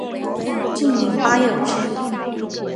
竟陵八友之一。